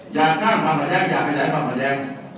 อย่าจ้างความออนแยกอย่าขยายความออนแยก